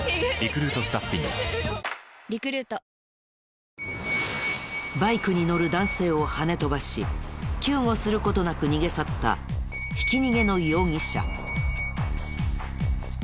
これがバイクに乗る男性をはね飛ばし救護する事なく逃げ去ったひき逃げの容疑者。